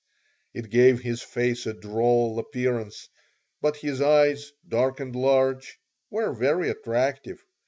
It gave his face a droll appearance, but his eyes, dark and large, were very attractive.